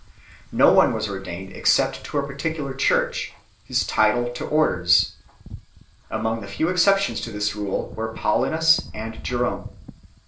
No one was ordained except to a particular church, his title to orders 2 . Among the few exceptions to this rule were Paulinus and Jerome.